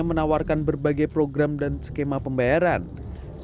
bpjs pun menawarkan berbagai program untuk menjaga kemampuan iuran bpjs